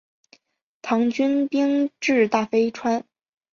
唐军兵至大非川。